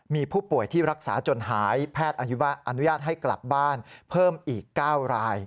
มีผู้ป่วยที่รักษาจนหายแพทย์อนุญาตให้กลับบ้านเพิ่มอีก๙ราย